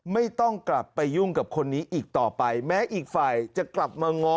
ไม่ต้องกลับไปยุ่งกับคนนี้อีกต่อไปแม้อีกฝ่ายจะกลับมาง้อ